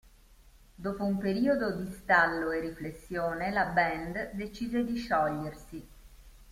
Dopo un periodo di stallo e riflessione la band decide di sciogliersi.